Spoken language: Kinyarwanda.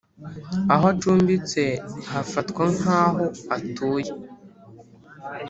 Aho acumbitse hafatwa nk aho atuye.